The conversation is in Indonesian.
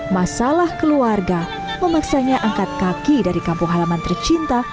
masalah keluarga memaksanya angkat kaki dari kampung halaman tercinta